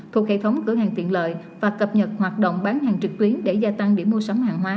thuộc hệ thống cửa hàng tiện lợi và cập nhật hoạt động bán hàng trực tuyến để gia tăng điểm mua sắm hàng hóa